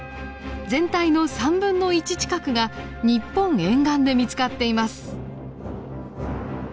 全体の３分の１近くが日本沿岸で見つかっています。